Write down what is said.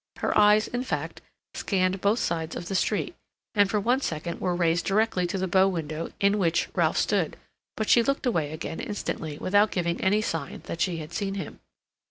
Her eyes, in fact, scanned both sides of the street, and for one second were raised directly to the bow window in which Ralph stood; but she looked away again instantly without giving any sign that she had seen him.